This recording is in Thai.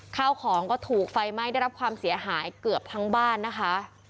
ข้าวของก็ถูกไฟไหม้ได้รับความเสียหายเกือบทั้งบ้านนะคะ